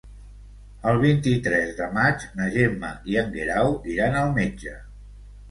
El vint-i-tres de maig na Gemma i en Guerau iran al metge.